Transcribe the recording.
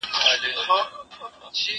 که وخت وي، سبزیحات تياروم؟!